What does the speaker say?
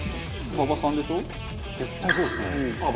「ああ馬場さんですね」